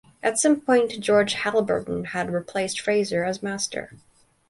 At some point George Haliburton had replaced Frazer as master.